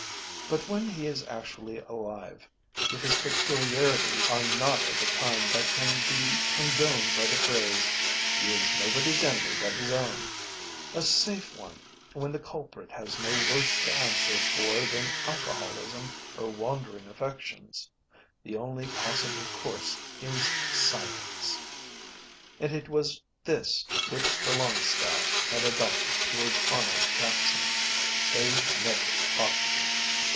But when he is actually alive, if his peculiarities are not of the kind that can be condoned by the phrase, "he is nobody's enemy but his own," a safe one when the culprit has no worse to answer for than alcoholism or wandering affections, the only possible course is silence. And it was this which the Longstaffes had adopted towards Arnold Jackson. They never talked of him.